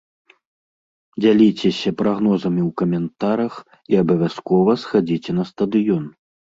Дзяліцеся прагнозамі ў каментарах і абавязкова схадзіце на стадыён!